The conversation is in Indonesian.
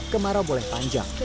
kemarau boleh panjang